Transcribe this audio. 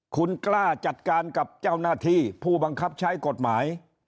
คุณกล้าจัดการกับเจ้าหน้าที่ผู้บังคับใช้กฎหมาย